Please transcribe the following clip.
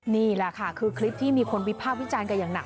นี่แหละค่ะคือคลิปที่มีคนวิภาพวิจารณ์กันอย่างหนัก